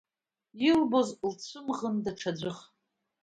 Илбоз лцәымӷын даҽаӡәых.